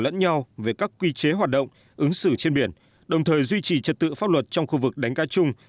lẫn nhau về các quy chế hoạt động ứng xử trên biển đồng thời duy trì trật tự pháp luật trong khu vực đánh cá chung